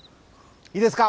いいですか？